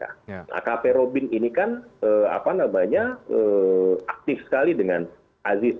akp robin ini kan apa namanya aktif sekali dengan aziz